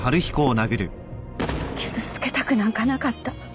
傷つけたくなんかなかった。